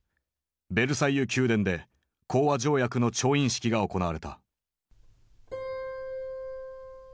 ベルサイユ宮殿で講和条約の調印式が行われた。